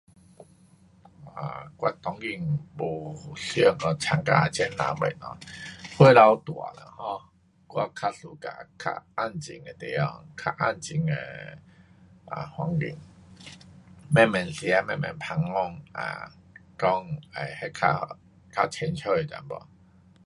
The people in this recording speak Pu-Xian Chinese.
啊，我当今没想讲参加这那的东西。岁数大了 um 我较 suka 较安静的地方。较安静的啊环境。慢慢吃，慢慢旁讲，讲会较，较随便一点。